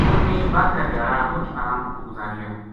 انھ نے بر کا دھیاڑا مُچ آرام پو گُزاریا